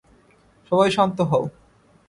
সবাই শান্ত হও।